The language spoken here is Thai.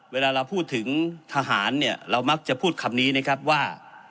เวลาเราพูดถึงทหารเนี่ยเรามักจะพูดคำนี้นะครับว่า